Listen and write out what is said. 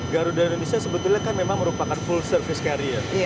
garuda indonesia sebetulnya kan memang merupakan full service carrier